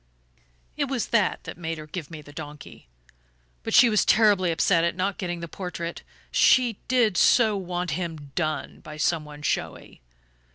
It was that that made her give me the donkey. But she was terribly upset at not getting the portrait she did so want him 'done' by some one showy!